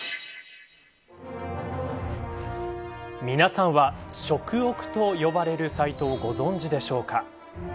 皆さんは食オクと呼ばれるサイトをご存じでしょうか。